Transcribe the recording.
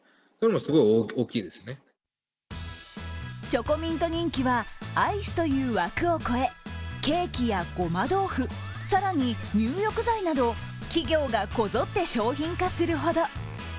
チョコミント人気は、アイスという枠を越え、ケーキやごま豆腐、さらに入浴剤など企業がこぞって商品化するほど。